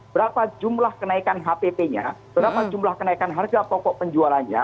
berapa jumlah kenaikan hpp nya berapa jumlah kenaikan harga pokok penjualannya